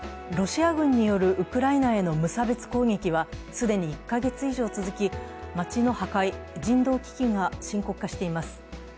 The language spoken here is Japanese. ロシア軍によるウクライナへの無差別攻撃は既に１カ月以上続き、街の破壊、人道危機が深刻化しています。